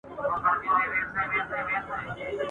بیا مي پورته له ګودره د پاولیو شرنګهار کې !.